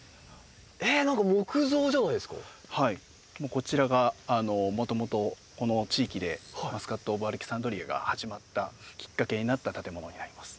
こちらがもともとこの地域でマスカットオブアレキサンドリアが始まったきっかけになった建物になります。